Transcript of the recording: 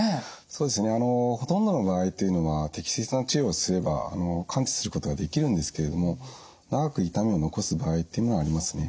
そうですねあのほとんどの場合というのは適切な治療をすれば完治することができるんですけれども長く痛みを残す場合っていうのはありますね。